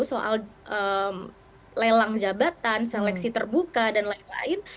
soal lelang jabatan seleksi terbuka dan lain lain